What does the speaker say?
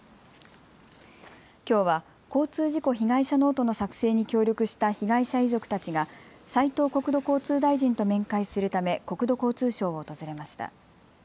きょうは交通事故被害者ノートの作成に協力した被害者遺族たちが斉藤国土交通大臣と面会するため国土交通省を訪れました。